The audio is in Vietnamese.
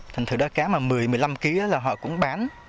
thành thử đó cá mà một mươi một mươi năm kg là họ cũng bán